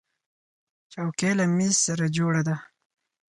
چوکۍ له مېز سره جوړه ده.